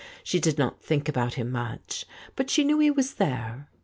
She did not think about him much, but she knew he was there.